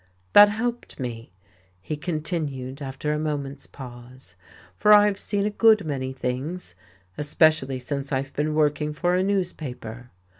"That helped me," he continued, after a moment's pause. "For I've seen a good many things, especially since I've been working for a newspaper.